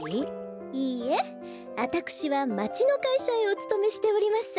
いいえあたくしはまちのかいしゃへおつとめしております。